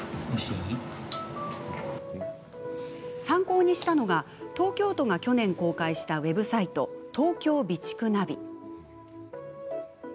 参考にしたのが東京都が去年公開したウェブサイト、東京備蓄ナビ。